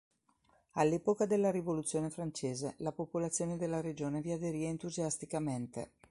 All'epoca della Rivoluzione francese la popolazione della regione vi aderì entusiasticamente.